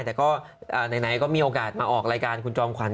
ใดหนัยก็มีโอกาสมาออกรายการคุณควัญ